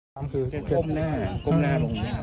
กล้มหน้าลงหน้า